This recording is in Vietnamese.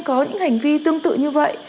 có những hành vi tương tự như vậy